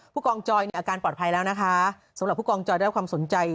ผู้กองจอยเนี่ยอาการปลอดภัยแล้วนะคะสำหรับผู้กองจอยได้รับความสนใจ